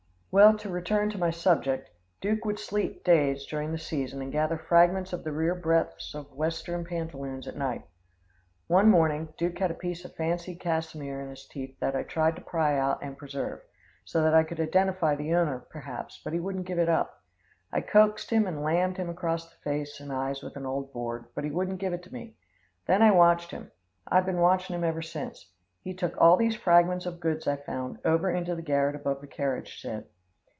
"Well, to return to my subject. Duke would sleep days during the season and gather fragments of the rear breadths of Western pantaloons at night. One morning Duke had a piece of fancy cassimere in his teeth that I tried to pry out and preserve, so that I could identify the owner, perhaps, but he wouldn't give it up. I coaxed him and lammed him across the face and eyes with an old board, but he wouldn't give it to me. Then I watched him. I've been watchin' him ever since. He took all these fragments of goods I found, over into the garret above the carriage shed.